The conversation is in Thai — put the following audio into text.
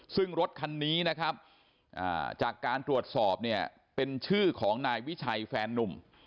ซึ่งรถคันนี้นะครับจากการตรวจสอบเนี่ยเป็นชื่อของนายวิชัยแฟนนุ่ม